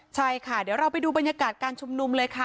ใช่ค่ะเดี๋ยวเราไปดูบรรยากาศการชุมนุมเลยค่ะ